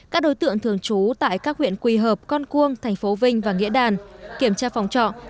các đối tượng thường trú tại các huyện quỳ hợp con cuông tp vinh và nghĩa đàn kiểm tra phòng trọ